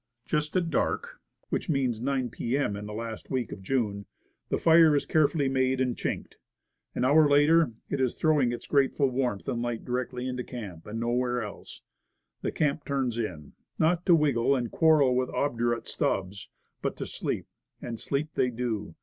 Just at dark which means 9 P. M. in the last week of June the fire is carefully made and chinked. An hour later it is throwing its grateful warmth and light directly into camp, and nowhere else. The camp turns in. Not to wriggle and quarrel with obdurate stubs, but to sleep. And sleep they do.